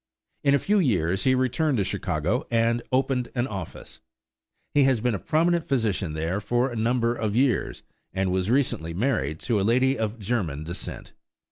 In a few years he returned to Chicago and opened an office. He has been a prominent physician there for a number of years, and was recently married to a lady of German descent.